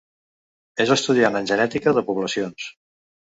És estudiat en genètica de poblacions.